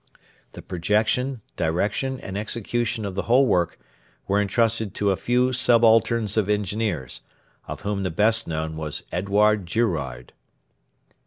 The projection, direction, and execution of the whole work were entrusted to a few subalterns of Engineers, of whom the best known was Edouard Girouard.